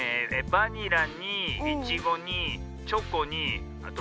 バニラにイチゴにチョコにバナナに。